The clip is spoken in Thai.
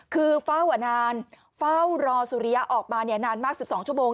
คือเฝ้านานเฝ้ารอสุริยะออกมานานมาก๑๒ชั่วโมง